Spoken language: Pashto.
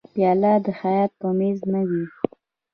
پیاله د خیاط پر مېز نه وي.